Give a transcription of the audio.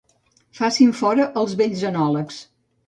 Facin fora els vells enòlegs.